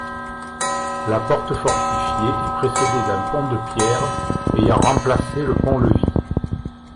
La porte fortifiée est précédée d'un pont de pierre, ayant remplacé le pont-levis.